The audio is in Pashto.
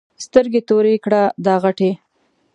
سترګې تورې کړه دا غټې.